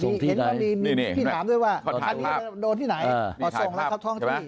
มีพี่ถามด้วยว่าคันนี้โดนที่ไหนตรวจส่งแล้วทับท้องที่